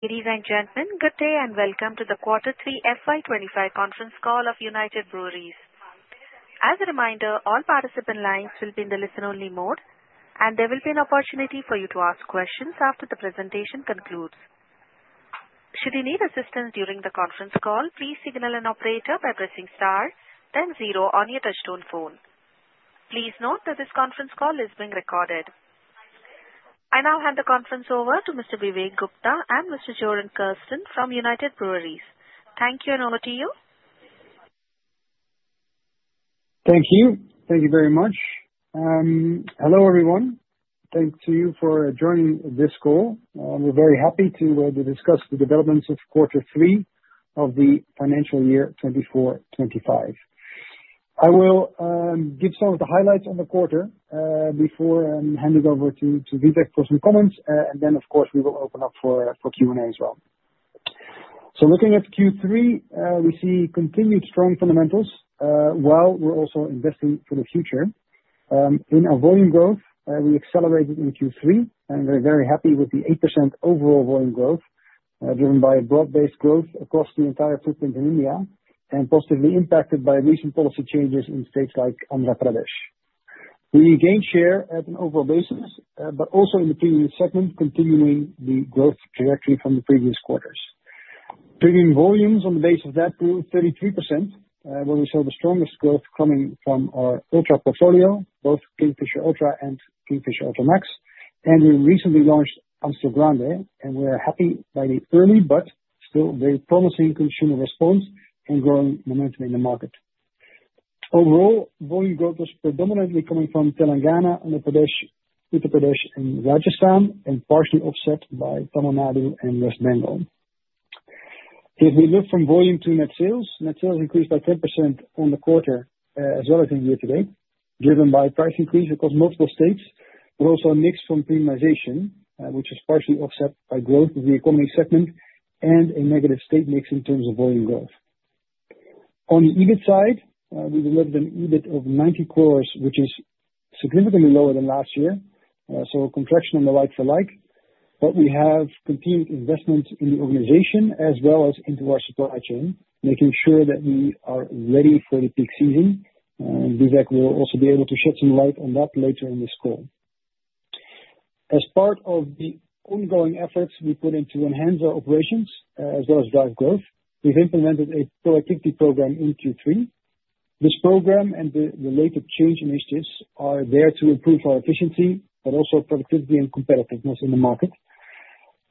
.. Listen-only mode, and there will be an opportunity for you to ask questions after the presentation concludes. Should you need assistance during the conference call, please signal an operator by pressing star, then zero on your touch-tone phone. Please note that this conference call is being recorded. I now hand the conference over to Mr. Vivek Gupta and Mr. Jorn Kersten from United Breweries. Thank you and over to you. Thank you. Thank you very much. Hello everyone. Thank you for joining this call. We're very happy to discuss the developments of Quarter 3 of the financial year 24-25. I will give some of the highlights on the quarter, before handing over to Vivek for some comments, and then, of course, we will open up for Q&A as well. So looking at Q3, we see continued strong fundamentals, while we're also investing for the future. In our volume growth, we accelerated in Q3, and we're very happy with the 8% overall volume growth, driven by a broad-based growth across the entire footprint in India and positively impacted by recent policy changes in states like Andhra Pradesh. We gained share at an overall basis, but also in the premium segment, continuing the growth trajectory from the previous quarters. Premium volumes on the base of that grew 33%, where we saw the strongest growth coming from our Ultra portfolio, both Kingfisher Ultra and Kingfisher Ultra Max, and we recently launched Amstel Grande, and we're happy by the early but still very promising consumer response and growing momentum in the market. Overall, volume growth was predominantly coming from Telangana, Uttar Pradesh, and Rajasthan, and partially offset by Tamil Nadu and West Bengal. If we look from volume to net sales, net sales increased by 10% on the quarter, as well as in year to date, driven by price increase across multiple states, but also a mix from premiumization, which is partially offset by growth of the economy segment and a negative state mix in terms of volume growth. On the EBIT side, we delivered an EBIT of 90 crores, which is significantly lower than last year, so a contraction on the like for like, but we have continued investment in the organization as well as into our supply chain, making sure that we are ready for the peak season, and Vivek will also be able to shed some light on that later in this call. As part of the ongoing efforts we put into enhancing our operations, as well as drive growth, we've implemented a productivity program in Q3. This program and the latest change initiatives are there to improve our efficiency but also productivity and competitiveness in the market,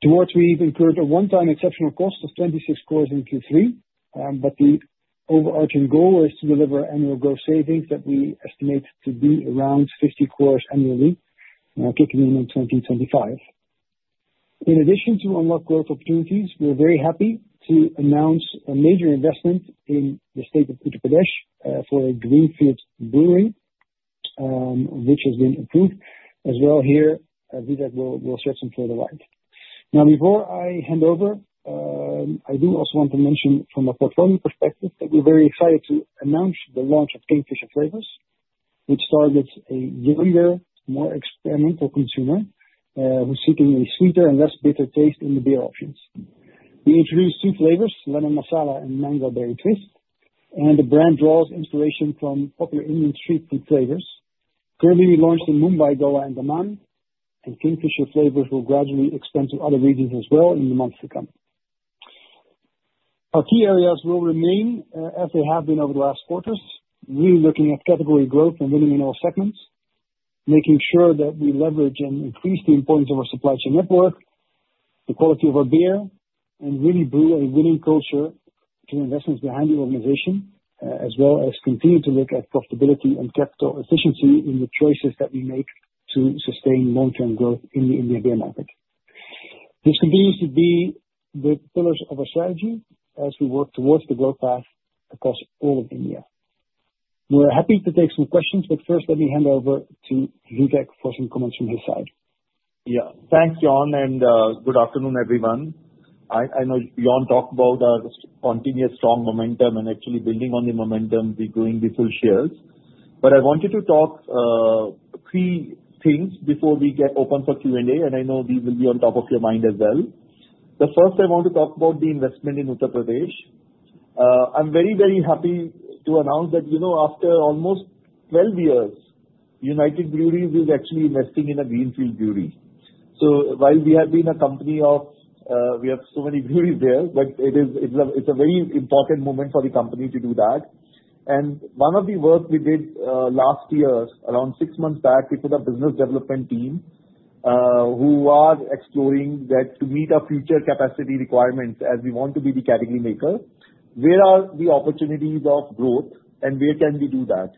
to which we've incurred a one-time exceptional cost of 26 crores in Q3, but the overarching goal is to deliver annual growth savings that we estimate to be around 50 crores annually, kicking in in 2025. In addition to unlock growth opportunities, we're very happy to announce a major investment in the state of Uttar Pradesh, for a greenfield brewery, which has been approved as well here. Vivek will shed some further light. Now, before I hand over, I do also want to mention from a portfolio perspective that we're very excited to announce the launch of Kingfisher Flavours, which targets a younger, more experimental consumer, who's seeking a sweeter and less bitter taste in the beer options. We introduced two flavors, Lemon Masala and Mango Berry Twist, and the brand draws inspiration from popular Indian street food flavors. Currently, we launched in Mumbai, Goa, and Daman, and Kingfisher Flavours will gradually expand to other regions as well in the months to come. Our key areas will remain, as they have been over the last quarters, really looking at category growth and winning in all segments, making sure that we leverage and increase the importance of our supply chain network, the quality of our beer, and really brew a winning culture through investments behind the organization, as well as continue to look at profitability and capital efficiency in the choices that we make to sustain long-term growth in the India beer market. This continues to be the pillars of our strategy as we work towards the growth path across all of India. We're happy to take some questions, but first, let me hand over to Vivek for some comments from his side. Yeah. Thanks, Jorn, and good afternoon, everyone. I know Jorn talked about our continued strong momentum and actually building on the momentum with growing the full shares, but I wanted to talk three things before we get open for Q&A, and I know these will be on top of your mind as well. The first, I want to talk about the investment in Uttar Pradesh. I'm very, very happy to announce that, you know, after almost 12 years, United Breweries is actually investing in a greenfield brewery. So while we have been a company of, we have so many breweries there, but it is a very important moment for the company to do that. One of the work we did, last year, around six months back, we put a business development team, who are exploring that to meet our future capacity requirements as we want to be the category maker. Where are the opportunities of growth, and where can we do that?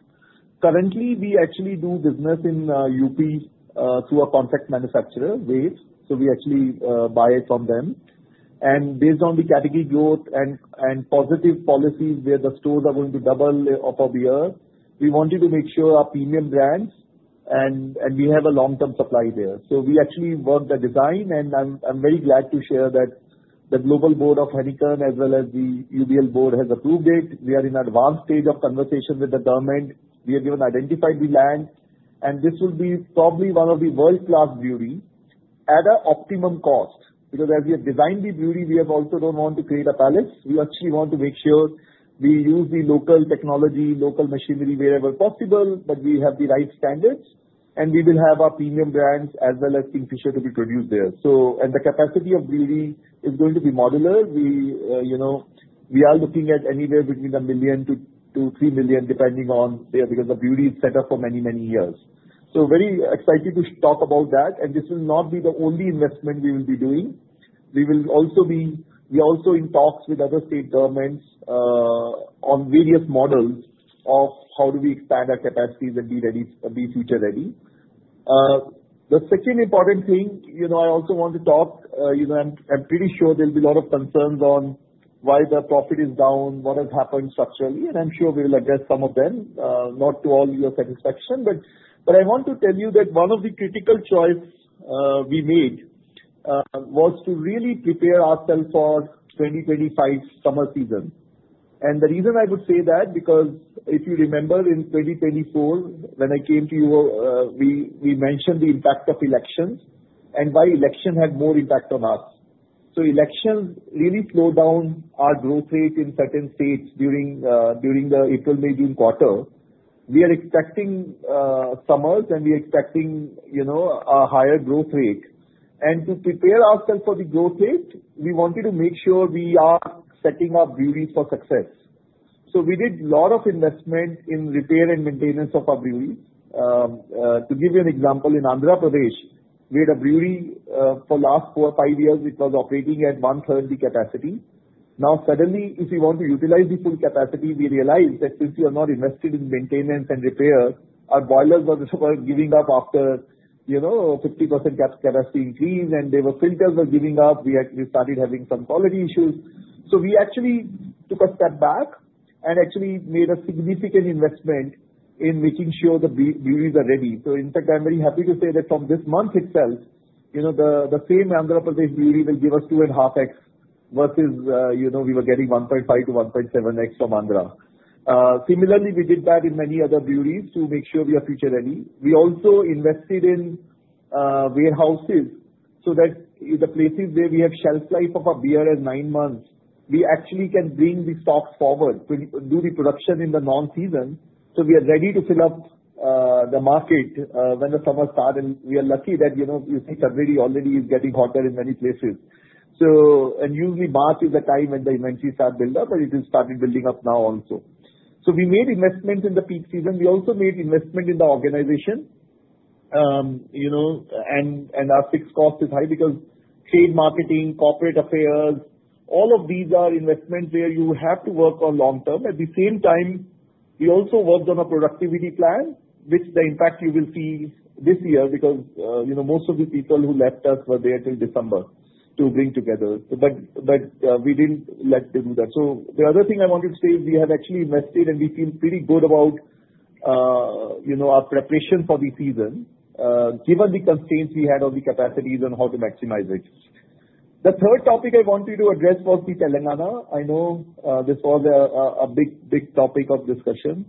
Currently, we actually do business in UP, through a contract manufacturer, Wave, so we actually buy it from them. And based on the category growth and positive policies where the stores are going to double up our beer, we wanted to make sure our premium brands and we have a long-term supply there. So we actually worked the design, and I'm very glad to share that the Global Board of Heineken as well as the has approved it. We are in advanced stage of conversation with the government. We have even identified the land, and this will be probably one of the world-class breweries at an optimum cost because as we have designed the brewery, we have also don't want to create a palace. We actually want to make sure we use the local technology, local machinery wherever possible, that we have the right standards, and we will have our premium brands as well as Kingfisher to be produced there. So, and the capacity of brewery is going to be modular. We, you know, we are looking at anywhere between a million to 3 million, depending on, yeah, because the brewery is set up for many, many years. So very excited to talk about that, and this will not be the only investment we will be doing. We will also be, we are also in talks with other state governments, on various models of how do we expand our capacities and be ready, be future-ready. The second important thing, you know, I also want to talk, you know, I'm, I'm pretty sure there'll be a lot of concerns on why the profit is down, what has happened structurally, and I'm sure we'll address some of them, not to all your satisfaction, but I want to tell you that one of the critical choices we made was to really prepare ourselves for 2025 summer season. The reason I would say that is because if you remember in 2024, when I came to your, we mentioned the impact of elections and why elections had more impact on us. So elections really slowed down our growth rate in certain states during the April-May-June quarter. We are expecting summers, and we are expecting, you know, a higher growth rate. To prepare ourselves for the growth rate, we wanted to make sure we are setting our breweries for success. We did a lot of investment in repair and maintenance of our breweries. To give you an example, in Andhra Pradesh, we had a brewery. For the last four or five years, it was operating at 130% capacity. Now, suddenly, if we want to utilize the full capacity, we realized that since we are not invested in maintenance and repair, our boilers were giving up after, you know, 50% capacity increase, and their filters were giving up. We actually started having some quality issues. We actually took a step back and actually made a significant investment in making sure the breweries are ready. So in fact, I'm very happy to say that from this month itself, you know, the same Andhra Pradesh brewery will give us two and a half X versus, you know, we were getting 1.5 to 1.7 X from Andhra. Similarly, we did that in many other breweries to make sure we are future-ready. We also invested in warehouses so that in the places where we have shelf life of our beer as nine months, we actually can bring the stocks forward to do the production in the non-season. So we are ready to fill up the market when the summer starts, and we are lucky that, you know, it's already getting hotter in many places. So and usually March is the time when the inventories start to build up, but it is starting building up now also. So we made investment in the peak season. We also made investment in the organization, you know, and our fixed cost is high because trade marketing, corporate affairs, all of these are investments where you have to work on long term. At the same time, we also worked on a productivity plan, which the impact you will see this year because, you know, most of the people who left us were there till December to bring together, but we didn't let them do that, so the other thing I wanted to say is we have actually invested, and we feel pretty good about, you know, our preparation for the season, given the constraints we had on the capacities and how to maximize it. The third topic I wanted to address was the Telangana. I know this was a big, big topic of discussion.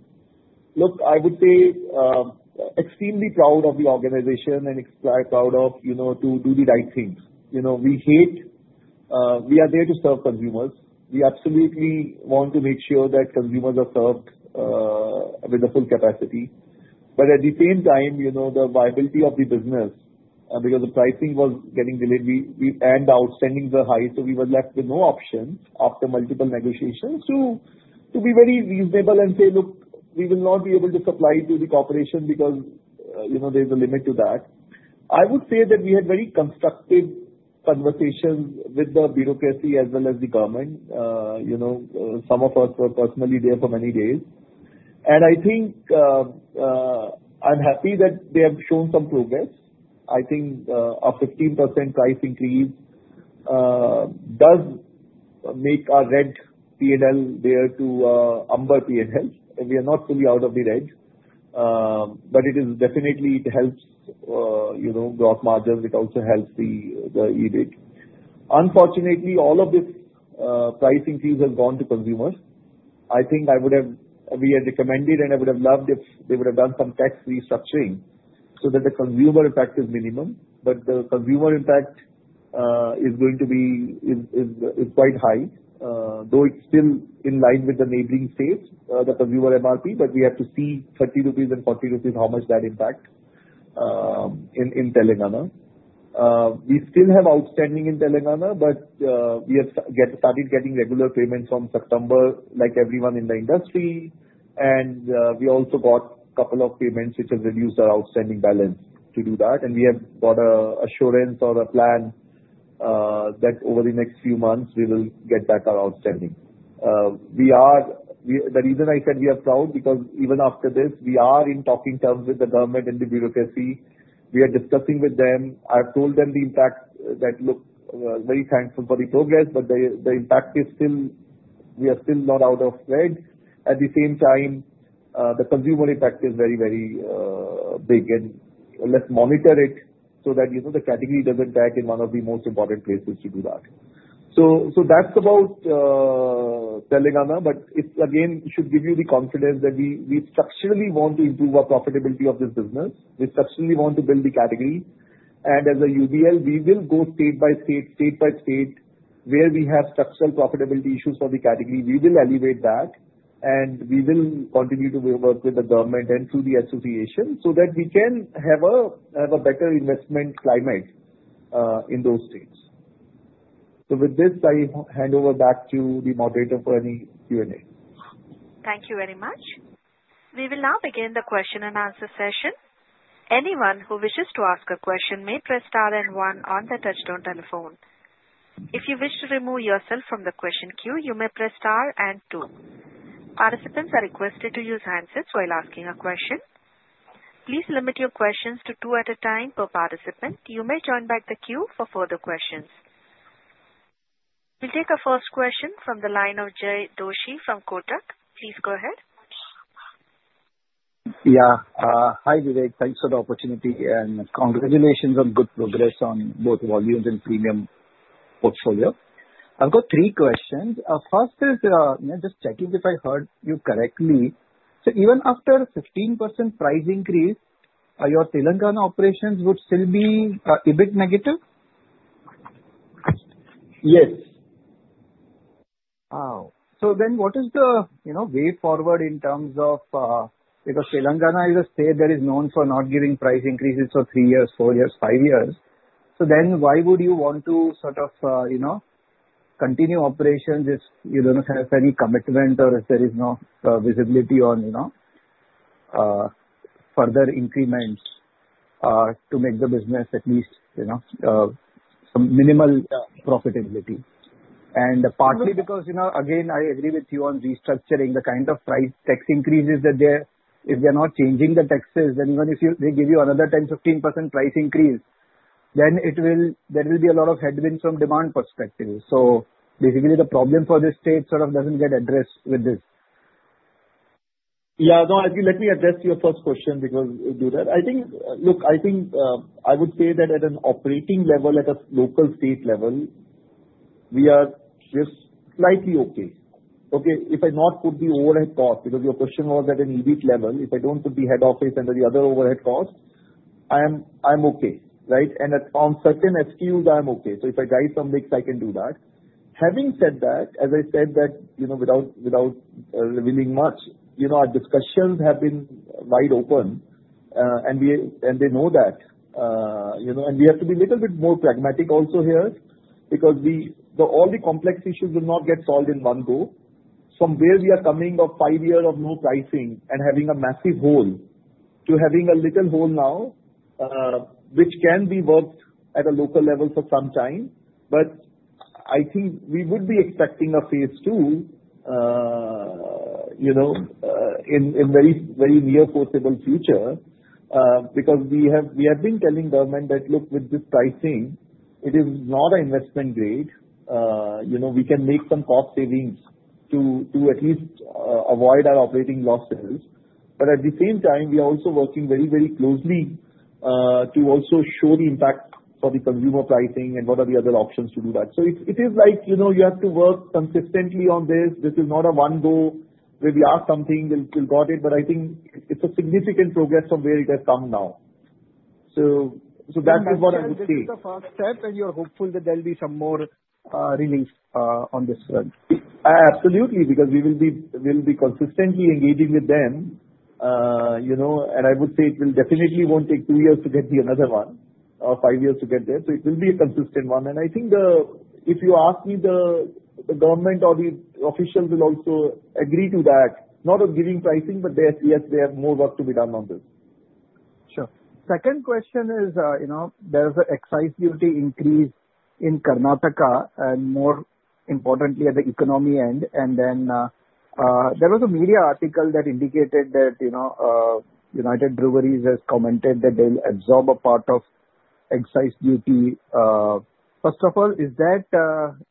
Look, I would say, extremely proud of the organization and proud of, you know, to do the right things. You know, we hate, we are there to serve consumers. We absolutely want to make sure that consumers are served with the full capacity. But at the same time, you know, the viability of the business, because the pricing was getting delayed, we ended up sending the hike, so we were left with no option after multiple negotiations to be very reasonable and say, "Look, we will not be able to supply to the corporation because, you know, there's a limit to that." I would say that we had very constructive conversations with the bureaucracy as well as the government, you know, some of us were personally there for many days. And I think, I'm happy that they have shown some progress. I think a 15% price increase does make our red P&L there too, our P&L, and we are not fully out of the red, but it is definitely it helps, you know, gross margins. It also helps the EBIT. Unfortunately, all of this price increase has gone to consumers. I think I would have, we had recommended, and I would have loved if they would have done some tax restructuring so that the consumer impact is minimum, but the consumer impact is going to be quite high, though it's still in line with the neighboring states, the consumer MRP, but we have to see ₹30 and ₹40 how much that impacts in Telangana. We still have outstanding in Telangana, but we have started getting regular payments from September, like everyone in the industry, and we also got a couple of payments which have reduced our outstanding balance to that, and we have got an assurance or a plan that over the next few months we will get back our outstanding. The reason I said we are proud is because even after this, we are in talking terms with the government and the bureaucracy. We are discussing with them. I've told them the impact that, look, we're very thankful for the progress, but the impact is still, we are still not out of red. At the same time, the consumer impact is very, very big, and let's monitor it so that, you know, the category doesn't back in one of the most important places to do that. So that's about Telangana, but it again should give you the confidence that we structurally want to improve our profitability of this business. We structurally want to build the category, and as a UBL, we will go state by state, state by state, where we have structural profitability issues for the category, we will elevate that, and we will continue to work with the government and through the association so that we can have a better investment climate in those states. So with this, I hand over back to the moderator for any Q&A. Thank you very much. We will now begin the question and answer session. Anyone who wishes to ask a question may press star and one on the touch-tone telephone. If you wish to remove yourself from the question queue, you may press star and two. Participants are requested to use handsets while asking a question. Please limit your questions to two at a time per participant. You may join back the queue for further questions. We'll take a first question from the line of Jay Doshi from Kotak. Please go ahead. Yeah. Hi Vivek. Thanks for the opportunity, and congratulations on good progress on both volumes and premium portfolio. I've got three questions. First is, you know, just checking if I heard you correctly. So even after a 15% price increase, your Telangana operations would still be a bit negative? Yes. Wow. So then what is the, you know, way forward in terms of, because Telangana is a state that is known for not giving price increases for three years, four years, five years. So then why would you want to sort of, you know, continue operations if you don't have any commitment or if there is no, visibility on, you know, further increments, to make the business at least, you know, some minimal profitability? And partly because, you know, again, I agree with you on restructuring the kind of price tax increases that they're, if they're not changing the taxes, then even if you, they give you another 10%-15% price increase, then it will, there will be a lot of headwinds from demand perspective. So basically, the problem for this state sort of doesn't get addressed with this. Yeah. No, I think let me address your first question because I think, look, I think, I would say that at an operating level, at a local state level, we are just slightly okay. Okay. If I not put the overhead cost, because your question was at an EBIT level, if I don't put the head office under the other overhead cost, I'm okay, right? And on certain SKUs, I'm okay. So if I dive some mix, I can do that. Having said that, as I said that, you know, without revealing much, you know, our discussions have been wide open, and they know that, you know, and we have to be a little bit more pragmatic also here because all the complex issues will not get solved in one go. From where we are coming off five years of no pricing and having a massive hole to having a little hole now, which can be worked at a local level for some time, but I think we would be expecting a phase two, you know, in, in very, very near foreseeable future, because we have, we have been telling government that, look, with this pricing, it is not an investment grade. You know, we can make some cost savings to, to at least, avoid our operating losses. But at the same time, we are also working very, very closely, to also show the impact for the consumer pricing and what are the other options to do that. So it, it is like, you know, you have to work consistently on this. This is not a one go where we ask something, we'll got it, but I think it's a significant progress from where it has come now. So that is what I would say. This is the first step, and you're hopeful that there'll be some more relief on this front. Absolutely, because we will be, we'll be consistently engaging with them, you know, and I would say it will definitely won't take two years to get the another one, or five years to get there. So it will be a consistent one. And I think, if you ask me, the government or the officials will also agree to that, not of giving pricing, but they are, yes, they have more work to be done on this. Sure. Second question is, you know, there's an excise duty increase in Karnataka and more importantly at the economy end. And then, there was a media article that indicated that, you know, United Breweries has commented that they'll absorb a part of excise duty. First of all, is that,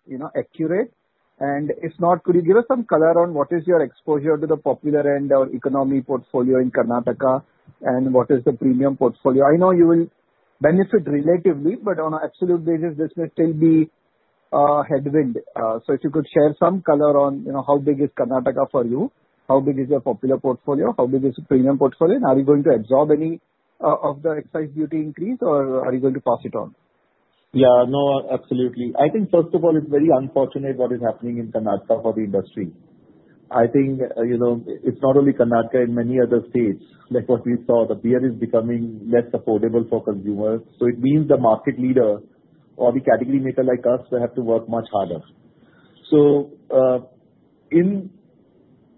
you know, accurate? And if not, could you give us some color on what is your exposure to the popular end or economy portfolio in Karnataka and what is the premium portfolio? I know you will benefit relatively, but on an absolute basis, this may still be a headwind. So if you could share some color on, you know, how big is Karnataka for you? How big is your popular portfolio? How big is the premium portfolio? And are you going to absorb any of the excise duty increase, or are you going to pass it on? Yeah. No, absolutely. I think first of all, it's very unfortunate what is happening in Karnataka for the industry. I think, you know, it's not only Karnataka, in many other states, like what we saw, the beer is becoming less affordable for consumers. So it means the market leader or the category maker like us will have to work much harder. So, in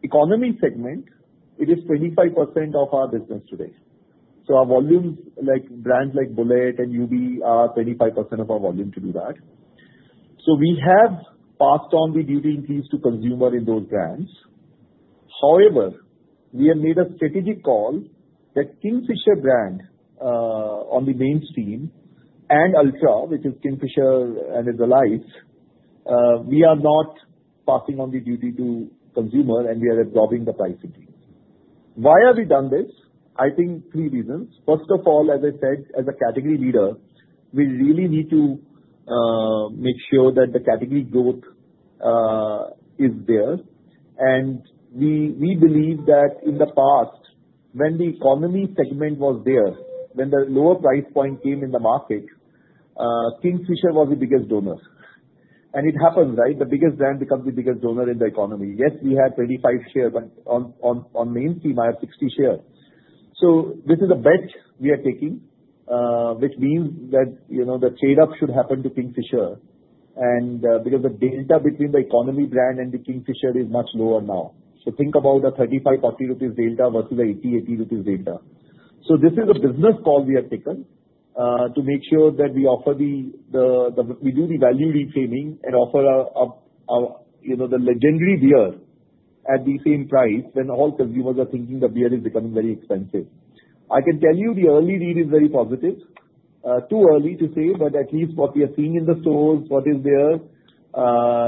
economy segment, it is 25% of our business today. So our volumes, like brands like Bullet and UB, are 25% of our volume to do that. So we have passed on the duty increase to consumer in those brands. However, we have made a strategic call that Kingfisher brand, on the mainstream and Ultra, which is Kingfisher and the, we are not passing on the duty to consumer, and we are absorbing the price increase. Why have we done this? I think three reasons. First of all, as I said, as a category leader, we really need to make sure that the category growth is there, and we believe that in the past, when the economy segment was there, when the lower price point came in the market, Kingfisher was the biggest donor, and it happens, right? The biggest brand becomes the biggest donor in the economy. Yes, we had 35 shares, but on mainstream, I have 60 shares. So this is a bet we are taking, which means that, you know, the trade-off should happen to Kingfisher, and because the delta between the economy brand and the Kingfisher is much lower now. So think about a 35-40 rupees delta versus a 80 delta. This is a business call we have taken to make sure that we offer the we do the value reframing and offer a you know the legendary beer at the same price when all consumers are thinking the beer is becoming very expensive. I can tell you the early read is very positive. Too early to say, but at least what we are seeing in the stores, what is there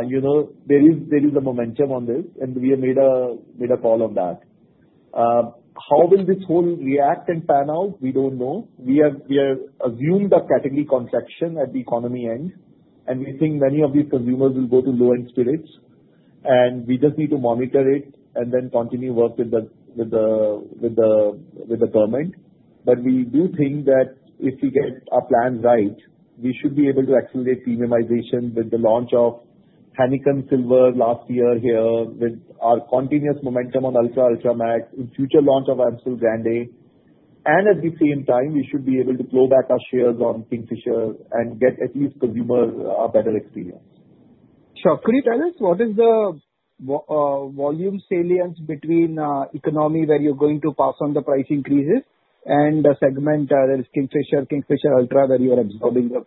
you know there is a momentum on this, and we have made a call on that. How will this whole react and pan out? We don't know. We have assumed a category contraction at the economy end, and we think many of these consumers will go to low-end spirits, and we just need to monitor it and then continue work with the government. But we do think that if we get our plans right, we should be able to accelerate premiumization with the launch of Heineken Silver last year here with our continuous momentum on Ultra, Ultra Max, in future launch of Amstel Grande. And at the same time, we should be able to grow back our shares on Kingfisher and get at least consumer a better experience. Sure. Could you tell us what is the volume salience between economy where you're going to pass on the price increases and the segment, that is Kingfisher, Kingfisher Ultra, where you are absorbing the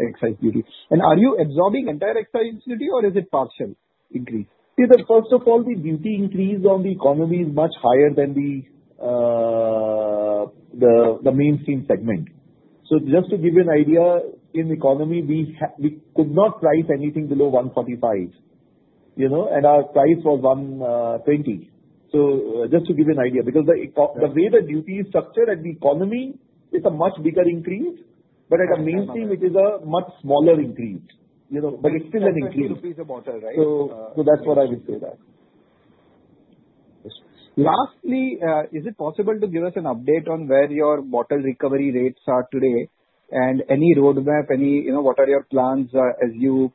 excise duty? And are you absorbing entire excise duty, or is it partial increase? See, first of all, the duty increase on the economy is much higher than the mainstream segment. So just to give you an idea, in economy, we could not price anything below 145, you know, and our price was 120. So just to give you an idea, because the way the duty is structured at the economy, it's a much bigger increase, but at a mainstream, it is a much smaller increase, you know, but it's still an increase. INR 120 a bottle, right? That's what I would say that. Lastly, is it possible to give us an update on where your bottle recovery rates are today and any roadmap, any, you know, what are your plans, as you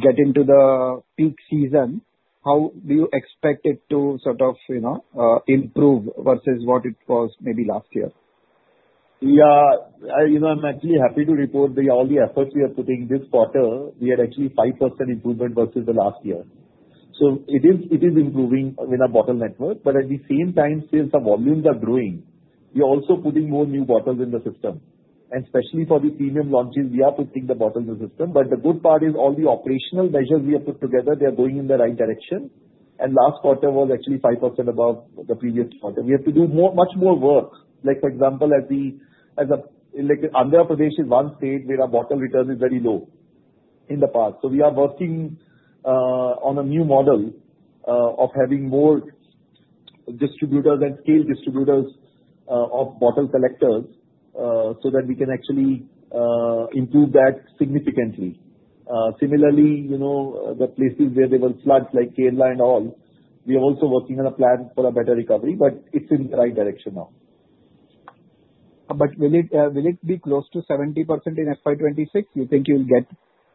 get into the peak season? How do you expect it to sort of, you know, improve versus what it was maybe last year? Yeah. You know, I'm actually happy to report that all the efforts we are putting this quarter, we had actually 5% improvement versus the last year. So it is, it is improving with our bottle network, but at the same time, since the volumes are growing, we are also putting more new bottles in the system. And especially for the premium launches, we are putting the bottles in the system. But the good part is all the operational measures we have put together, they are going in the right direction. And last quarter was actually 5% above the previous quarter. We have to do more, much more work. Like for example, Andhra Pradesh is one state where our bottle return is very low in the past. So we are working on a new model of having more distributors and scale distributors of bottle collectors, so that we can actually improve that significantly. Similarly, you know, the places where there were floods, like Kerala and all, we are also working on a plan for a better recovery, but it's in the right direction now. But will it be close to 70% in FY26? You think you'll get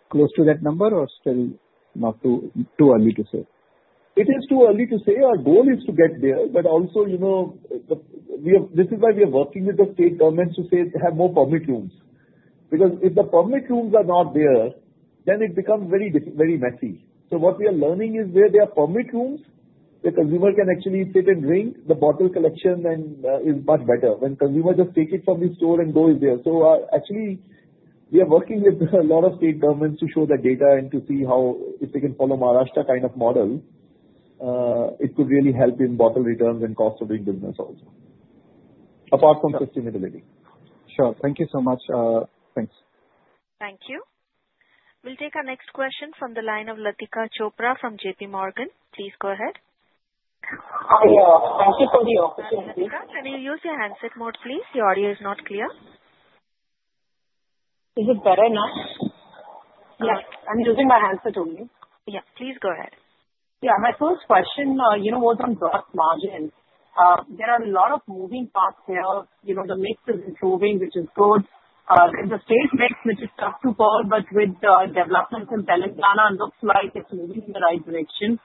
close to that number or still not too early to say? It is too early to say. Our goal is to get there, but also, you know, we have, this is why we are working with the state governments to say, have more permit rooms. Because if the permit rooms are not there, then it becomes very difficult, very messy. So what we are learning is where there are permit rooms, the consumer can actually sit and drink, the bottle collection then is much better when consumers just take it from the store and goes there. So actually, we are working with a lot of state governments to show the data and to see how if they can follow Maharashtra kind of model, it could really help in bottle returns and cost of doing business also, apart from sustainability. Sure. Thank you so much. Thanks. Thank you. We'll take our next question from the line of Latika Chopra from J.P. Morgan. Please go ahead. Hi, thank you for the opportunity. Lathika, can you use your handset mode, please? Your audio is not clear. Is it better now? Yeah. I'm using my handset only. Yeah. Please go ahead. Yeah. My first question, you know, was on gross margins. There are a lot of moving parts here. You know, the mix is improving, which is good. The state mix which is tough to call, but with the developments in Telangana looks like it's moving in the right direction.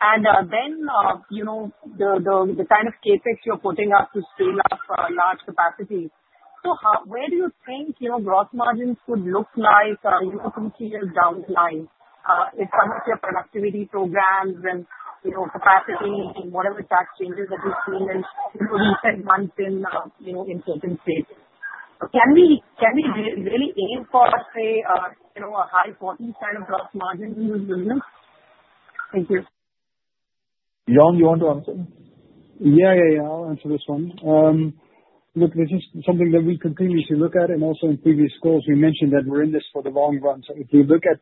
And then, you know, the kind of CapEx you're putting up to scale up lager capacity. So how, where do you think, you know, gross margins could look like, you know, through a downside in some of your productivity programs and, you know, capacity and whatever tax changes that you've seen in, you know, recent months in, you know, in certain states? Can we, can we really aim for, say, you know, a high 14% gross margins in this business? Thank you. Jorn, you want to answer? Yeah, yeah, yeah. I'll answer this one. Look, this is something that we continuously look at, and also in previous calls we mentioned that we're in this for the long run. So if we look at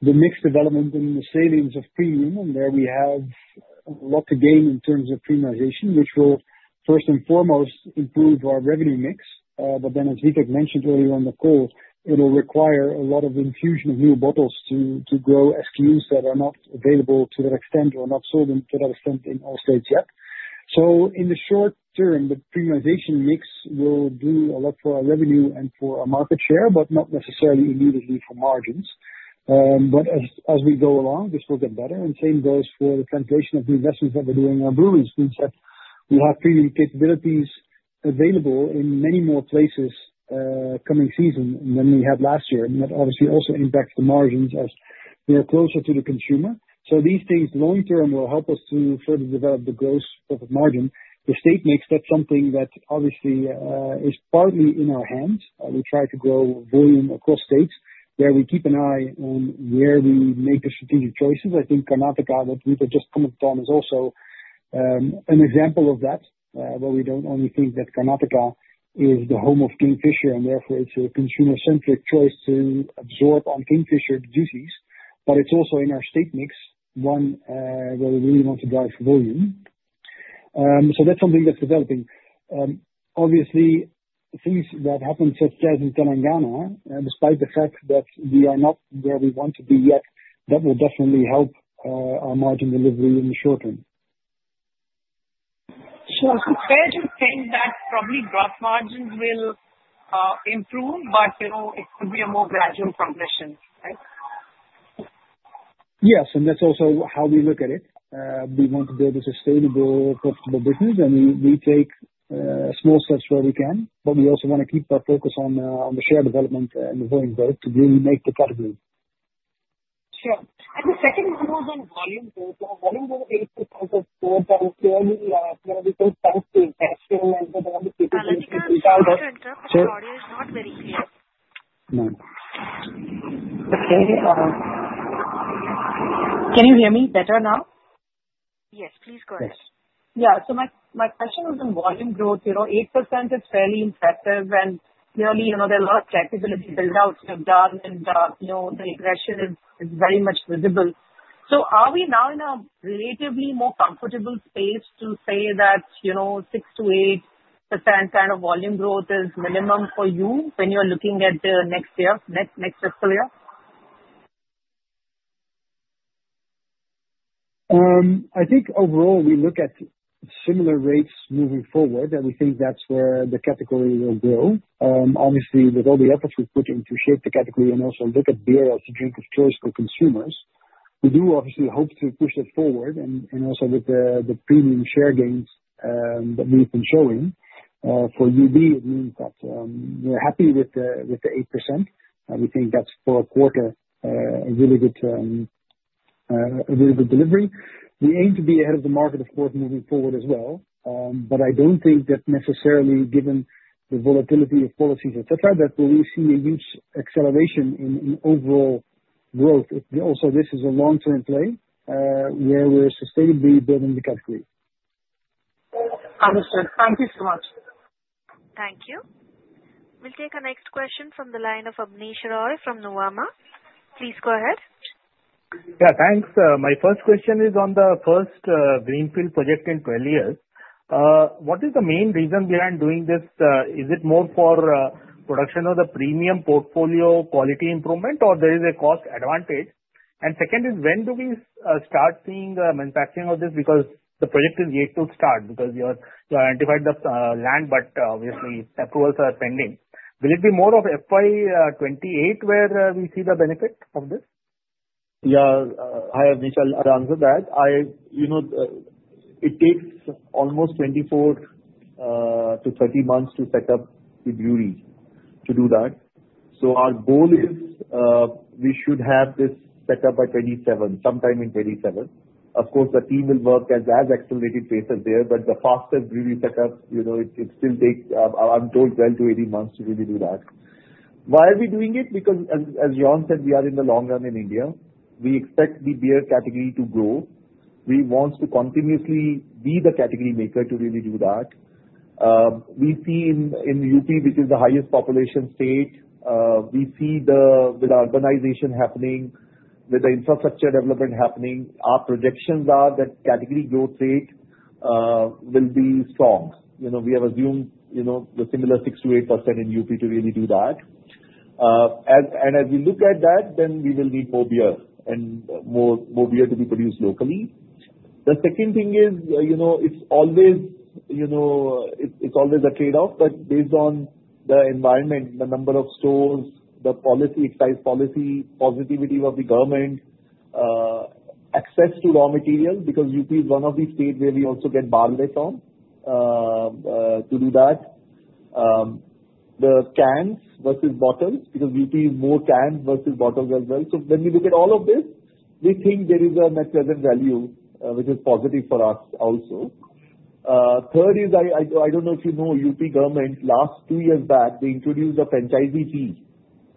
the mixed development and the salience of premium, and there we have a lot to gain in terms of premiumization, which will first and foremost improve our revenue mix. But then, as Vivek mentioned earlier on the call, it'll require a lot of infusion of new bottles to grow SKUs that are not available to that extent or not sold to that extent in all states yet. So in the short term, the premiumization mix will do a lot for our revenue and for our market share, but not necessarily immediately for margins. But as we go along, this will get better, and same goes for the translation of the investments that we're doing in our breweries, means that we have premium capabilities available in many more places, coming season than we had last year, and that obviously also impacts the margins as we are closer to the consumer. So these things long term will help us to further develop the gross profit margin. The state mix, that's something that obviously is partly in our hands. We try to grow volume across states where we keep an eye on where we make the strategic choices i think Karnataka, that we were just coming upon, is also an example of that, where we don't only think that Karnataka is the home of Kingfisher, and therefore it's a consumer-centric choice to absorb on Kingfisher duties, but it's also in our state mix, one where we really want to drive volume. So that's something that's developing. Obviously, things that happen such as in Telangana, despite the fact that we are not where we want to be yet, that will definitely help our margin delivery in the short term. Sure, so where do you think that probably gross margins will improve, but you know, it could be a more gradual progression, right? Yes. And that's also how we look at it. We want to build a sustainable, profitable business, and we take small steps where we can, but we also want to keep our focus on the share development and the volume growth to really make the category. Sure. And the second one was on volume growth. Volume growth is, so clearly, you know, we think thanks to investing and with all the capabilities we found. Okay. Can you hear me better now? Yes. Please go ahead. Yeah. So my question was on volume growth. You know, 8% is fairly impressive, and clearly, you know, there are a lot of trackability build-outs we've done, and, you know, the progression is very much visible. So are we now in a relatively more comfortable space to say that, you know, 6%-8% kind of volume growth is minimum for you when you're looking at the next year, next fiscal year? I think overall we look at similar rates moving forward, and we think that's where the category will grow. Obviously, with all the efforts we've put in to shape the category and also look at beer as a drink of choice for consumers, we do obviously hope to push it forward, and also with the premium share gains that we've been showing for UB, it means that we're happy with the 8%. We think that's for a quarter a really good delivery. We aim to be ahead of the market, of course, moving forward as well. But I don't think that necessarily, given the volatility of policies, etc., that we will see a huge acceleration in overall growth. Also, this is a long-term play, where we're sustainably building the category. Understood. Thank you so much. Thank you. We'll take our next question from the line of Abneesh Roy from Nuvama. Please go ahead. Yeah. Thanks. My first question is on the first greenfield project in 12 years. What is the main reason behind doing this? Is it more for production of the premium portfolio quality improvement, or is there a cost advantage? And second is, when do we start seeing the manufacturing of this? Because the project is yet to start, because you have identified the land, but obviously, approvals are pending. Will it be more of FY28 where we see the benefit of this? Yeah. I have an initial answer to that. You know, it takes almost 24-30 months to set up the brewery to do that. So our goal is, we should have this set up by 2027, sometime in 2027. Of course, the team will work at that accelerated pace there, but the faster brewery set up, you know, it still takes, I'm told, 12-18 months to really do that. Why are we doing it? Because, as Jorn said, we are in the long run in India. We expect the beer category to grow. We want to continuously be the category maker to really do that. We see in UP, which is the highest population state, with the urbanization happening, with the infrastructure development happening, our projections are that category growth rate will be strong. You know, we have assumed, you know, the similar 6%-8% in UP to really do that. And as we look at that, then we will need more beer and more, more beer to be produced locally. The second thing is, you know, it's always, you know, it's always a trade-off, but based on the environment, the number of stores, the policy, excise policy, positivity of the government, access to raw material, because UP is one of these states where we also get barley and so on, to do that. The cans versus bottles, because UP is more cans versus bottles as well. So when we look at all of this, we think there is a Net Present Value, which is positive for us also. Third is, I don't know if you know, UP government, last two years back, they introduced a franchisee fee,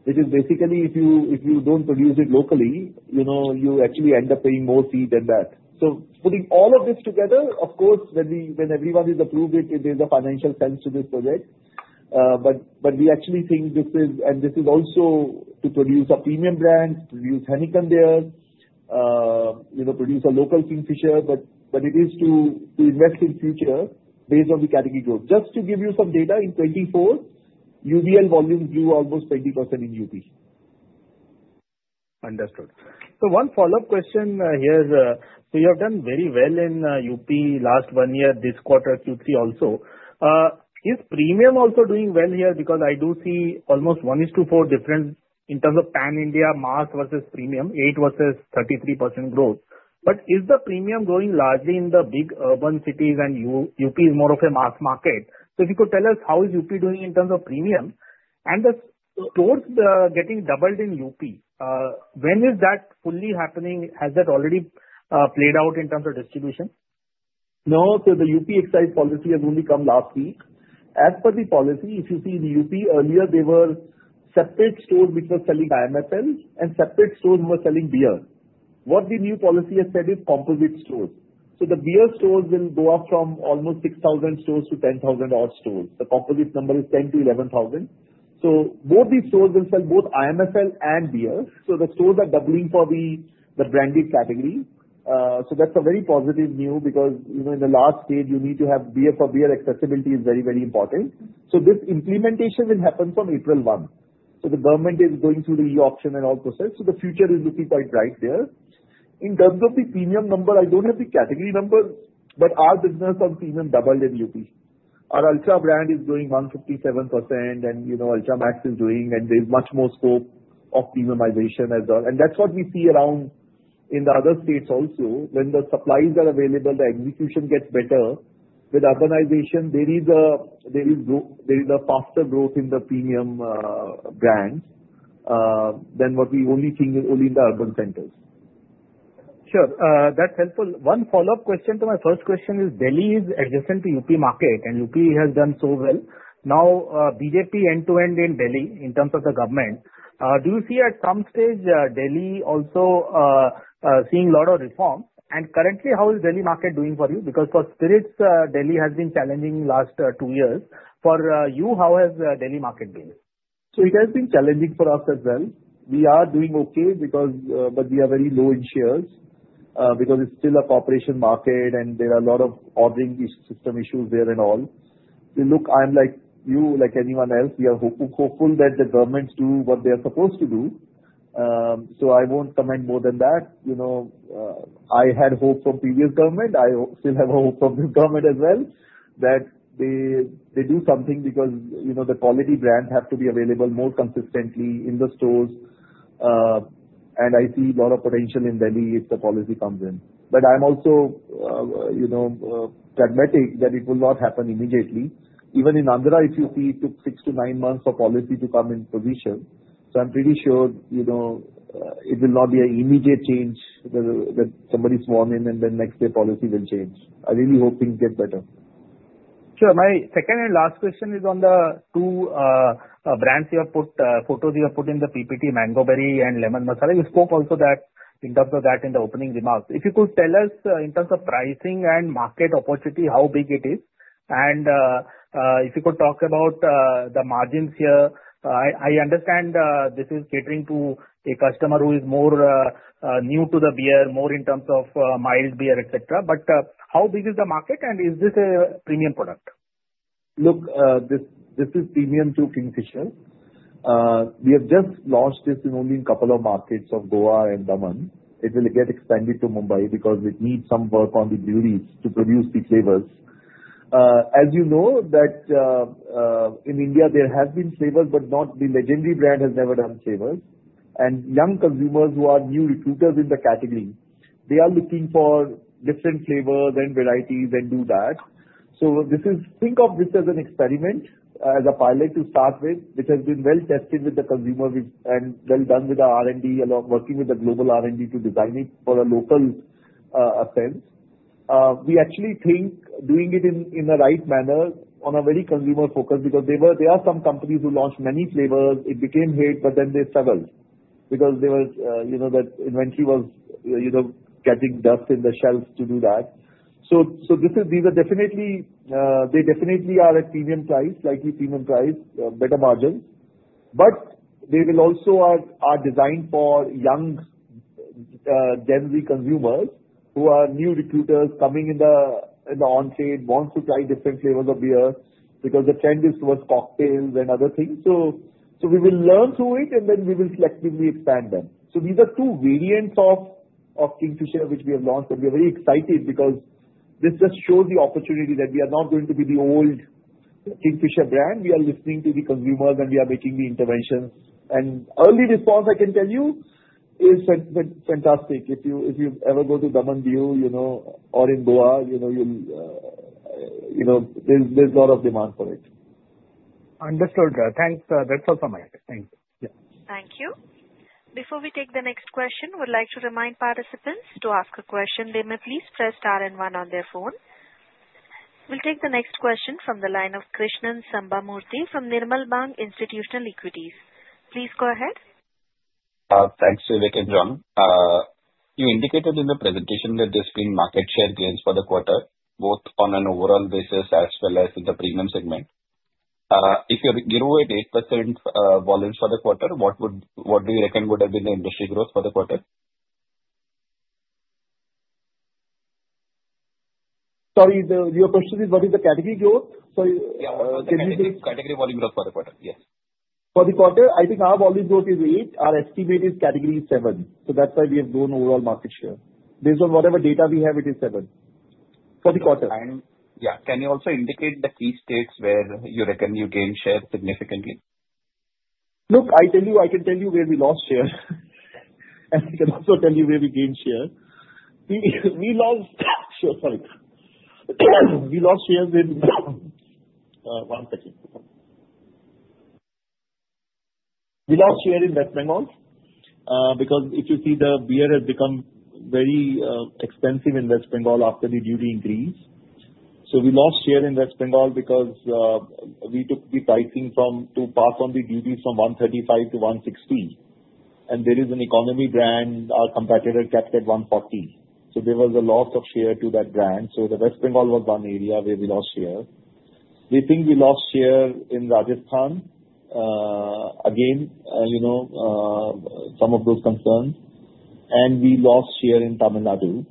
which is basically, if you don't produce it locally, you know, you actually end up paying more fee than that. So putting all of this together, of course, when everyone has approved it, there's a financial sense to this project. But we actually think this is also to produce a premium brand, produce Heineken beers, you know, produce a local Kingfisher, but it is to invest in future based on the category growth. Just to give you some data, in 2024, UBL volume grew almost 20% in UP. Understood, so one follow-up question here, so you have done very well in UP last one year, this quarter, Q3 also. Is premium also doing well here? Because I do see almost 1:4 difference in terms of pan-India mass versus premium, 8% versus 33% growth, but is the premium growing largely in the big urban cities and UP is more of a mass market, so if you could tell us how is UP doing in terms of premium, and the stores getting doubled in UP, when is that fully happening? Has that already played out in terms of distribution? No. The UP excise policy has only come last week. As per the policy, if you see in UP, earlier they were separate stores which were selling IMFL, and separate stores who were selling beer. What the new policy has said is composite stores. The beer stores will go up from almost 6,000 stores to 10,000-odd stores. The composite number is 10,000-11,000. Both these stores will sell both IMFL and beer. The stores are doubling for the branded category. That's a very positive news because, you know, in that state, you need to have better beer accessibility, which is very, very important. This implementation will happen from April 1. The government is going through the e-auction and all process. The future is looking quite bright there. In terms of the premium number, I don't have the category number, but our business on premium doubled in UP. Our Ultra brand is doing 157%, and, you know, Ultra Max is doing, and there's much more scope of premiumization as well. And that's what we see around in the other states also. When the supplies are available, the execution gets better. With urbanization, there is growth, a faster growth in the premium brands than what we see only in the urban centers. Sure. That's helpful. One follow-up question to my first question is, Delhi is adjacent to UP market, and UP has done so well. Now, BJP end-to-end in Delhi in terms of the government, do you see at some stage, Delhi also seeing a lot of reform? And currently, how is Delhi market doing for you? Because for spirits, Delhi has been challenging last two years. For you, how has Delhi market been? So it has been challenging for us as well. We are doing okay because, but we are very low in shares, because it's still a corporation market, and there are a lot of ordering system issues there and all. We look, I'm like you, like anyone else, we are hopeful that the governments do what they are supposed to do. So I won't comment more than that. You know, I had hope from previous government. I still have hope from this government as well, that they, they do something because, you know, the quality brands have to be available more consistently in the stores. And I see a lot of potential in Delhi if the policy comes in. But I'm also, you know, pragmatic that it will not happen immediately. Even in Andhra, if you see it took six to nine months for policy to come in position. I'm pretty sure, you know, it will not be an immediate change that somebody sworn in, and then next day policy will change. I really hope things get better. Sure. My second and last question is on the two brands you have put photos you have put in the PPT, Mango Berry and Lemon Masala. You spoke also that in terms of that in the opening remarks. If you could tell us, in terms of pricing and market opportunity, how big it is, and if you could talk about the margins here. I understand this is catering to a customer who is more new to the beer, more in terms of mild beer, etc., but how big is the market, and is this a premium product? Look, this is premium to Kingfisher. We have just launched this in only a couple of markets of Goa and Daman. It will get expanded to Mumbai because we need some work on the breweries to produce the flavors. As you know, in India, there have been flavors, but the legendary brand has never done flavors. And young consumers who are new recruiters in the category, they are looking for different flavors and varieties and do that. So this is, think of this as an experiment, as a pilot to start with, which has been well tested with the consumer, and well done with our R&D, along working with the global R&D to design it for a local sense. We actually think doing it in the right manner on a very consumer focus because they were, there are some companies who launched many flavors. It became a hit, but then they struggled because they were, you know, that inventory was, you know, gathering dust on the shelves due to that. So, these are definitely, they definitely are at premium price, slightly premium price, better margins. But they are also designed for young, Gen Z consumers who are new recruits coming in the on-trade, want to try different flavors of beer because the trend is towards cocktails and other things. So, we will learn through it, and then we will selectively expand them. These are two variants of Kingfisher, which we have launched, and we are very excited because this just shows the opportunity that we are not going to be the old Kingfisher brand. We are listening to the consumers, and we are making the interventions. Early response, I can tell you, is fantastic. If you ever go to Daman, you know, or in Goa, you know, you'll, you know, there's a lot of demand for it. Understood. Thanks. That's all from my side. Thank you. Yeah. Thank you. Before we take the next question, would like to remind participants to ask a question. They may please press star and one on their phone. We'll take the next question from the line of Krishnan Sambamoorthy from Nirmal Bang Institutional Equities. Please go ahead. Thanks, Vivek and Jorn. You indicated in the presentation that there's been market share gains for the quarter, both on an overall basis as well as in the premium segment. If you're growing at 8%, volumes for the quarter, what would, what do you reckon would have been the industry growth for the quarter? Sorry, your question is, what is the category growth? Sorry, can you say? Yeah. What is category volume growth for the quarter? Yes. For the quarter, I think our volume growth is 8. Our estimate is category 7. So that's why we have grown overall market share. Based on whatever data we have, it is 7 for the quarter. And yeah, can you also indicate the key states where you reckon you gained share significantly? Look, I tell you, I can tell you where we lost share, and I can also tell you where we gained share. We lost share, sorry. We lost share. One second. We lost share in West Bengal, because if you see the beer has become very expensive in West Bengal after the duty increase. So we lost share in West Bengal because we took the pricing from to pass on the duties from 135 to 160. And there is an economy brand, our competitor kept at 140. So there was a loss of share to that brand. So West Bengal was one area where we lost share. We think we lost share in Rajasthan, again, you know, some of those concerns. We lost share in Tamil Nadu,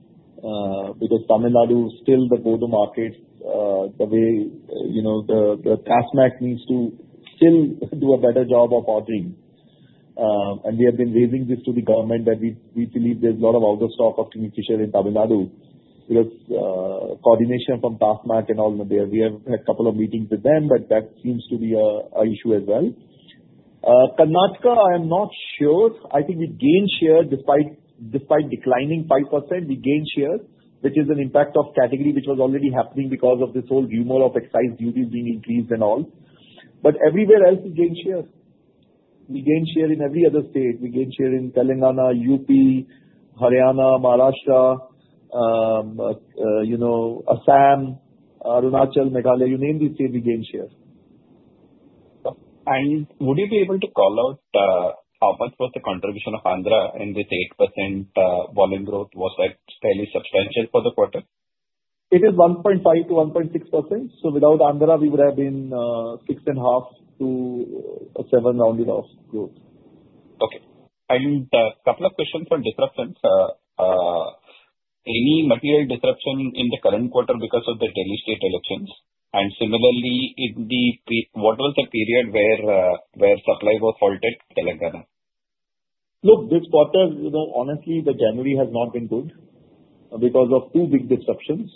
because Tamil Nadu is still the go-to market, the way, you know, the TASMAC needs to still do a better job of ordering. We have been raising this to the government that we believe there's a lot of out-of-stock of Kingfisher in Tamil Nadu because coordination from TASMAC and all in there. We have had a couple of meetings with them, but that seems to be an issue as well. Karnataka, I am not sure. I think we gained share despite declining 5%. We gained share, which is an impact of category, which was already happening because of this whole rumor of excise duties being increased and all. Everywhere else, we gained share. We gained share in every other state. We gained share in Telangana, UP, Haryana, Maharashtra, you know, Assam, Arunachal, Meghalaya. You name these states, we gained share. Would you be able to call out, how much was the contribution of Andhra in this 8%, volume growth? Was that fairly substantial for the quarter? It is 1.5%-1.6%. So without Andhra, we would have been 6.5%-7% rounded off growth. Okay. And a couple of questions for disruptions. Any material disruption in the current quarter because of the Delhi state elections? And similarly, in the previous, what was the period where supply was halted? Telangana? Look, this quarter, you know, honestly, the January has not been good because of two big disruptions.